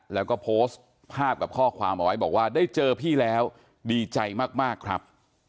แล้วก็โพสต์ภาพกับข้อความเอาไว้บอกว่าได้เจอพี่แล้วดีใจมากครับ